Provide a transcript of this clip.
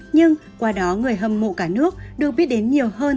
nhưng qua đó người hâm mộ cả nước được biết đến nhiều hơn